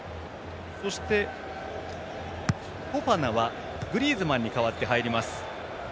そして、フォファナはグリーズマンに代わって入ります。